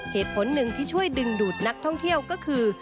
เหตุผลหนึ่งที่ช่วยดึงดูดนักท่องเที่ยวก็คือ